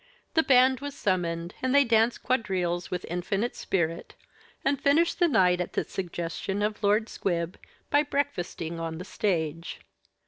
The band was summoned, and they danced quadrilles with infinite spirit, and finished the night, at the suggestion of Lord Squib, by breakfasting on the stage.